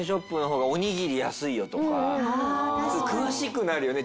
詳しくなるよね